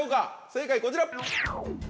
正解こちら。